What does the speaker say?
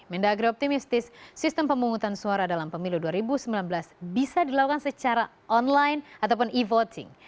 mendagri optimistis sistem pemungutan suara dalam pemilu dua ribu sembilan belas bisa dilakukan secara online ataupun e voting